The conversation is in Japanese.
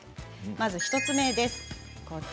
まず１つ目です。